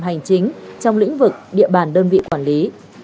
hành chính trong lĩnh vực địa bàn đơn vị quản lý